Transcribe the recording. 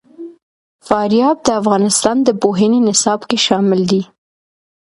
فاریاب د افغانستان د پوهنې نصاب کې شامل دي.